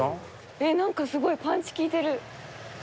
何かすごいパンチ効いてる。